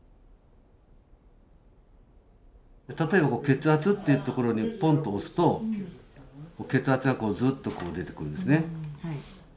例えば血圧っていう所にポンッと押すと血圧がこうずっと出てくるんですね。